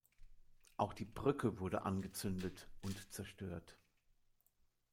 Auch die Brücke wurde angezündet und zerstört.